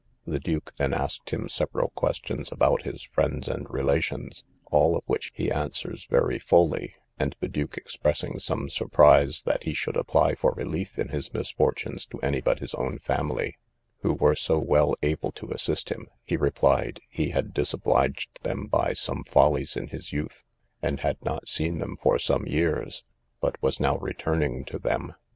The duke then asked him several questions about his friends and relations, all of which he answers very fully; and the duke expressing some surprise that he should apply for relief in his misfortunes to any but his own family, who were so well able to assist him, he replied, he had disobliged them by some follies in his youth, and had not seen them for some years, but was now returning to them.